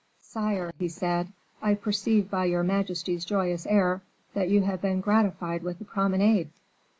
"Sire," he said, "I perceive by your majesty's joyous air that you have been gratified with the promenade."